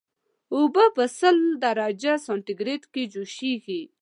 اوبه په سل درجه سانتي ګریډ کې جوشیږي